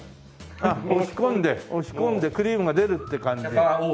あっ押し込んで押し込んでクリームが出るって感じ？